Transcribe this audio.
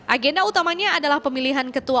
agenda utamanya adalah pemilihan ketua